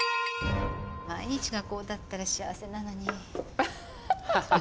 毎日がこうだったら幸せなのに。